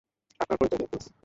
আপনার পরিচয় দিন, প্লিজ।